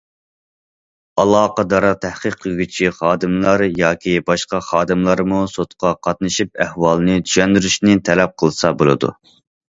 ئالاقىدار تەھقىقلىگۈچى خادىملار ياكى باشقا خادىملارمۇ سوتقا قاتنىشىپ ئەھۋالنى چۈشەندۈرۈشنى تەلەپ قىلسا بولىدۇ.